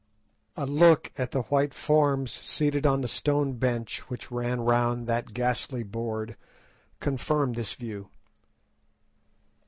A look at the white forms seated on the stone bench which ran round that ghastly board confirmed this view.